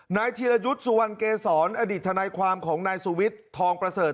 ธีรยุทธ์สุวรรณเกษรอดีตทนายความของนายสุวิทย์ทองประเสริฐ